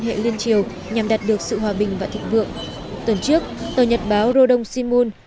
hệ liên triều nhằm đạt được sự hòa bình và thịnh vượng tuần trước tờ nhật báo rodong shimun